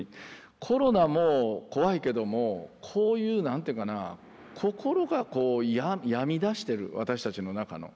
コロナも怖いけどもこういう何ていうかな心が病みだしてる私たちの中の。